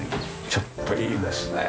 ちょっといいですね。